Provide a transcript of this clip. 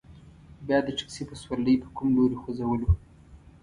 بیا یې د تکسي په سورلۍ په کوم لوري ځوځولو.